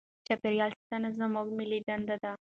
چاپیریال ساتنه زموږ ملي دنده ده.